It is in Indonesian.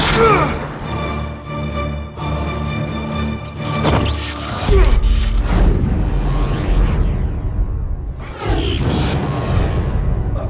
setelah kita melihat